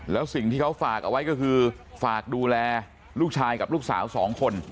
แล้วสิ่งที่เขาฝากเอาไว้ก็คือฝากดูแลลูกชายกับลูกสาวสองคน